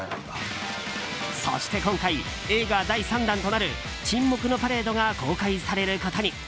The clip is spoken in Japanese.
そして今回、映画第３弾となる「沈黙のパレード」が公開されることに。